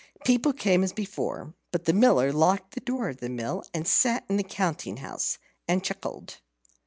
People came as before; but the Miller locked the door of the mill and sat in the counting house and chuckled.